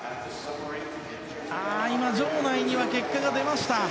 今、場内には結果が出ました。